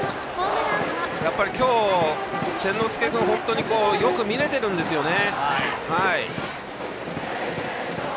今日、千之亮君がよく見れているんですよね。